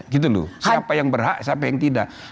gitu loh siapa yang berhak siapa yang tidak